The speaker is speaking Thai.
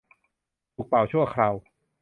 ถูกเป่าชั่วคราว